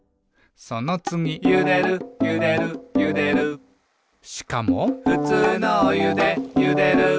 そのつぎ「ゆでるゆでるゆでる」しかも「ふつうのおゆでゆでる」